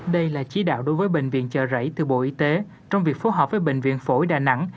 đây là chỉ đạo đối với bệnh viện chợ rẫy từ bộ y tế trong việc phối hợp với bệnh viện phổi đà nẵng